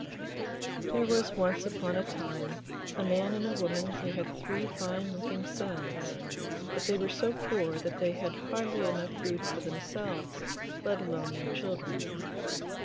There was once upon a time a man and woman who had three fine looking sons, but they were so poor that they had hardly enough food for themselves, let alone their children.